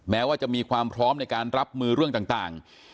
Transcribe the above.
แม้ว่าจะมีความพร้อมในการรับมือเรื่องต่าง